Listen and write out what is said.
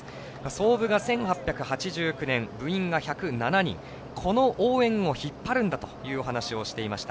創部が１８８９年部員が１０７人この応援を引っ張るんだという話をしていました。